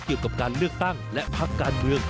เกี่ยวกับการเลือกตั้งและพักการเมือง